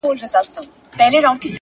اراده د لارې خنډونه کوچني کوي،